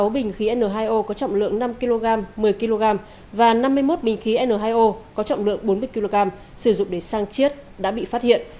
một mươi bình khí n hai o có trọng lượng năm kg một mươi kg và năm mươi một bình khí n hai o có trọng lượng bốn mươi kg sử dụng để sang chiết đã bị phát hiện